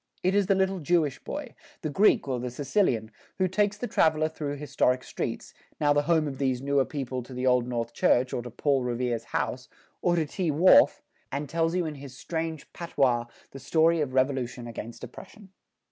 It is the little Jewish boy, the Greek or the Sicilian, who takes the traveler through historic streets, now the home of these newer people to the Old North Church or to Paul Revere's house, or to Tea Wharf, and tells you in his strange patois the story of revolution against oppression.